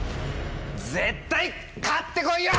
絶対勝ってこいよ！